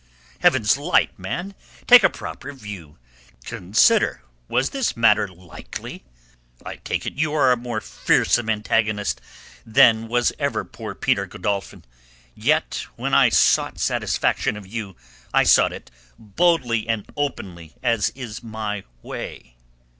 Heaven's light, man; take a proper view; consider was this matter likely. I take it you are a more fearsome antagonist than was ever poor Peter Godolphin, yet when I sought satisfaction of you I sought it boldly and openly, as is my way.